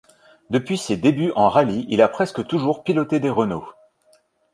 Depuis ses débuts en rallye, il a presque toujours piloté des Renault.